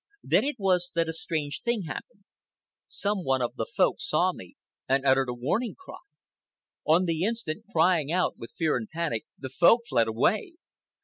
Then it was that a strange thing happened. Some one of the Folk saw me and uttered a warning cry. On the instant, crying out with fear and panic, the Folk fled away.